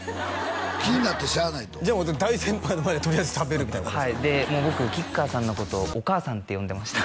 気になってしゃあないとじゃあホント大先輩の前でとりあえず食べるみたいなはいでもう僕吉川さんのことお母さんって呼んでました